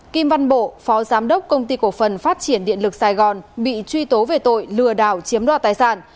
kim văn bộ phó giám đốc công ty cổ phần phát triển điện lực sài gòn bị truy tố về tội lừa đảo chiếm đoạt tài sản